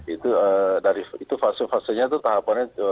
itu dari itu fase fasenya tuh tahapannya cuma